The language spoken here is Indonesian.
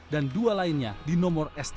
dan dua lainnya di nomor s delapan